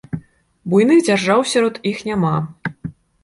Буйных дзяржаў сярод іх няма.